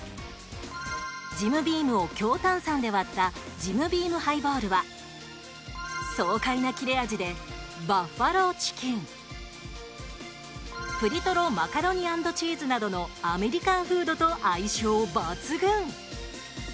ジムビームを強炭酸で割ったジムビームハイボールは爽快なキレ味でバッファローチキンぷりとろマカロニ＆チーズなどのアメリカンフードと相性抜群。